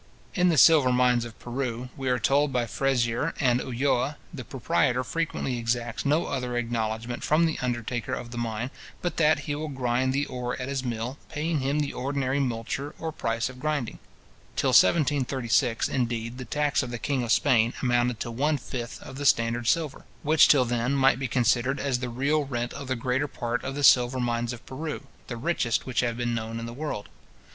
In the silver mines of Peru, we are told by Frezier and Ulloa, the proprietor frequently exacts no other acknowledgment from the undertaker of the mine, but that he will grind the ore at his mill, paying him the ordinary multure or price of grinding. Till 1736, indeed, the tax of the king of Spain amounted to one fifth of the standard silver, which till then might be considered as the real rent of the greater part of the silver mines of Peru, the richest which have been known in the world.